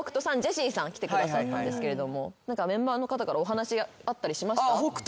来てくださったんですけれどもメンバーの方からお話あったりしました？